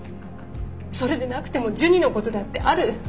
それでなくてもジュニのことだってある。